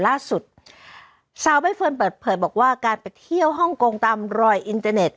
ล่าสุดสาวใบเฟิร์นเปิดเผยบอกว่าการไปเที่ยวฮ่องกงตามรอยอินเตอร์เน็ต